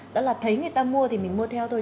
đó là thấy người ta mua thì mình mua theo thôi